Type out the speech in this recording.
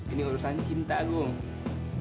ini urusan cinta gua